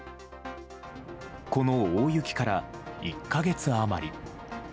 この大雪から１か月余り。